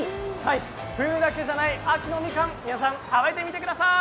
冬だけじゃない秋のみかん皆さん、食べてみてください！